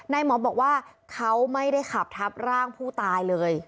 หมอบอกว่าเขาไม่ได้ขับทับร่างผู้ตายเลย